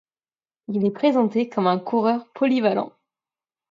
Il est présenté comme un coureur polyvalent.